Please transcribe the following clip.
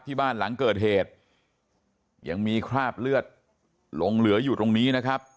บ้านหลังเกิดเหตุยังมีคราบเลือดหลงเหลืออยู่ตรงนี้นะครับ